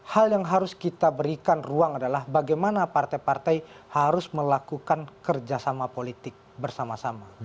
hal yang harus kita berikan ruang adalah bagaimana partai partai harus melakukan kerjasama politik bersama sama